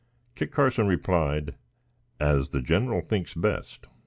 Kit Carson replied, "As the general thinks best."